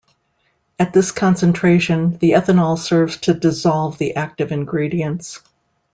At this concentration, the ethanol serves to dissolve the active ingredients.